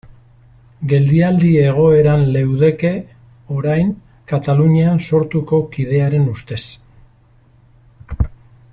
Geldialdi egoeran leudeke orain Katalunian Sortuko kidearen ustez.